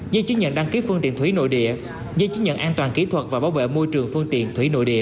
giấy chứng nhận đăng ký phương tiện thủy nội địa giấy chứng nhận an toàn kỹ thuật và bảo vệ môi trường phương tiện thủy nội địa